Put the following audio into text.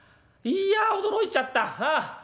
いや驚いちゃったああ。